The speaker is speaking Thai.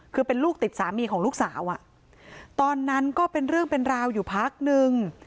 คือเป็นลูกติดสามีของลูกสาวอ่ะตอนนั้นก็เป็นเรื่องเป็นราวอยู่พักนึง